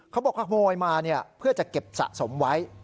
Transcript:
เขาบอกขโมยมาเพื่อจะเก็บสะสมไว้